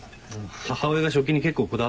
母親が食器に結構こだわってて。